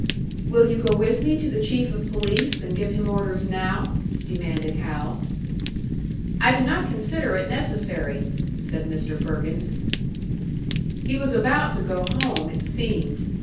"Will you go with me to the Chief of Police and give him orders now?" demanded Hal. "I do not consider it necessary," said Mr. Perkins. He was about to go home, it seemed.